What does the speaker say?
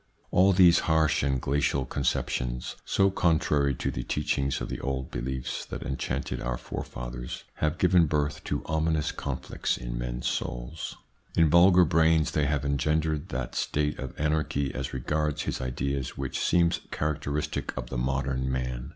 All these harsh and glacial conceptions, so contrary to the teachings of the old beliefs that enchanted our forefathers, have given birth to ominous conflicts in men's souls. In vulgar brains they have engendered that state of anarchy as regards his ideas which seems characteristic of the modern man.